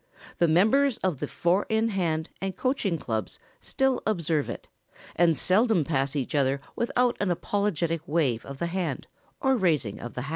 The members of the Four in Hand and Coaching Clubs still observe it, and seldom pass each other without an apologetic wave of the hand or raising of the hat.